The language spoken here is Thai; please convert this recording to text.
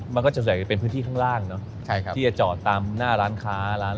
มันก็จะสามารถเป็นพื้นที่ข้างล่างที่จะจอดตามหน้าร้านค้า